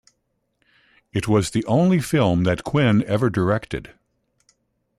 It was the only film that Quinn ever directed.